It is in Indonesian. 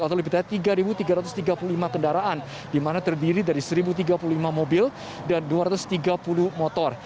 atau lebih dari tiga tiga ratus tiga puluh lima kendaraan di mana terdiri dari satu tiga puluh lima mobil dan dua ratus tiga puluh motor